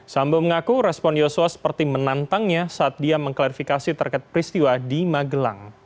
sambo mengaku respon yosua seperti menantangnya saat dia mengklarifikasi terkait peristiwa di magelang